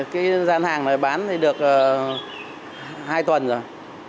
cái gian hàng này bán thì được hai tuần rồi